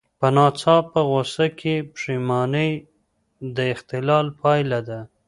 په ناڅاپه غوسه کې پښېماني د اختلال پایله ده.